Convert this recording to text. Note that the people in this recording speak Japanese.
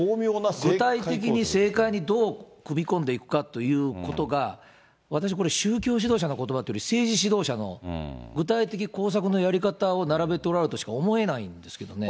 具体的に政界にどう踏み込んでいくかということが、私これ、宗教指導者のことばというより、政治指導者の、具体的工作のやり方を並べておられるとしか思えないんですけどね。